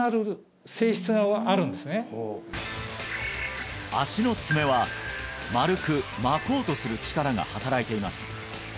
はい足の爪は丸く巻こうとする力が働いています